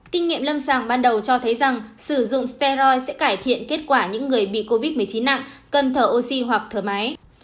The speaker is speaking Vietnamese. kinh nghiệm lâm sàng ban đầu cho thấy rằng sử dụng strey sẽ cải thiện kết quả những người bị covid một mươi chín nặng cần thở oxy hoặc thở máy